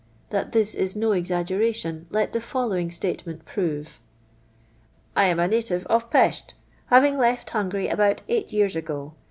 That this is no exaggeration let the following state ment prove: —I ara a native of Peslh, "having left Hungary about ei){ht years ago.